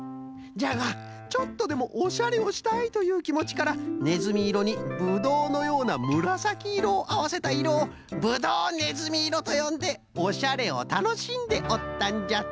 じゃがちょっとでもおしゃれをしたいというきもちからねずみいろにぶどうのようなむらさきいろをあわせたいろをぶどうねずみいろとよんでおしゃれをたのしんでおったんじゃと。